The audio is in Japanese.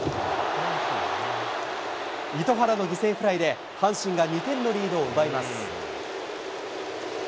糸原の犠牲フライで、阪神が２点のリードを奪います。